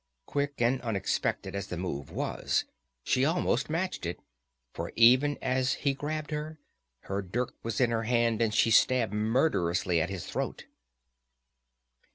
Quick and unexpected as the move was, she almost matched it; for even as he grabbed her, her dirk was in her hand and she stabbed murderously at his throat.